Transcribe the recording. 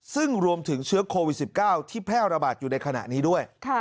ซึ่งรวมถึงเชื้อโควิด๑๙ที่แพร่ระบาดอยู่ในขณะนี้ด้วย